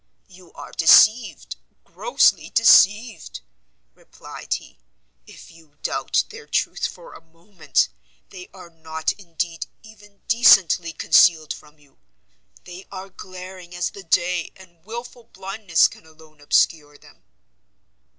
"You are deceived, grossly deceived," replied he, "if you doubt their truth for a moment; they are not, indeed, even decently concealed from you; they are glaring as the day, and wilful blindness can alone obscure them."